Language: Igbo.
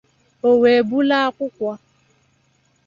o wee bulaa akwụkwọ.